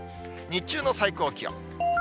日中の最高気温。